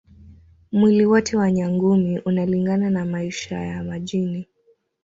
Mwili wote wa Nyangumi unalingana na maisha ya majini